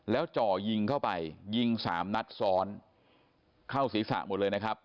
แล้วจ่อยิงเข้าไปยิงสามนัดซ้อนเข้าศีรษะหมดเลยนะครับ